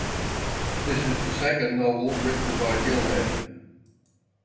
This is the second novel written by Gilham.